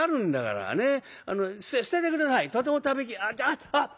あっあっ！